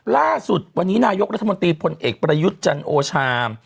ล่าสุดวันนี้นายกรัฐมนตรีพลเอกประยุทธ์จันโอชา